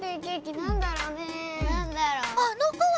・あの子は！